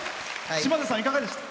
島津さん、いかがでした？